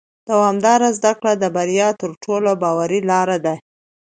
دوامداره زده کړه د بریا تر ټولو باوري لاره ده